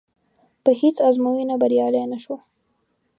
په هېڅ ازموینه بریالی نه شو.